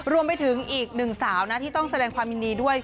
รวมไปถึงอีกหนึ่งสาวนะที่ต้องแสดงความยินดีด้วย